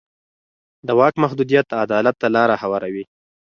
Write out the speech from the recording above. د واک محدودیت عدالت ته لاره هواروي